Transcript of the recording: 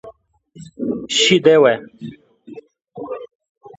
Şî dewe